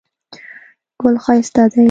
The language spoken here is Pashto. ګل ښایسته دی